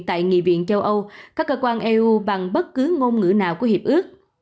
tại nghị viện châu âu các cơ quan eu bằng bất cứ ngôn ngữ nào của hiệp ước